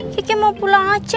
kiki mau pulang aja